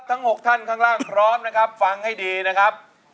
๖ท่านข้างล่างพร้อมนะครับฟังให้ดีนะครับ